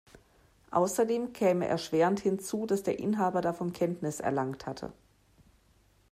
Außerdem käme erschwerend hinzu, dass der Inhaber davon Kenntnis erlangt hatte.